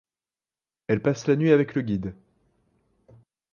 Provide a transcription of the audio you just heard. Elle passe la nuit avec le guide.